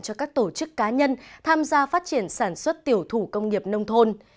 cho các tổ chức cá nhân tham gia phát triển sản xuất tiểu thủ công nghiệp nông thôn